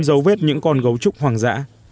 giấu vết những con gấu trúc hoang dã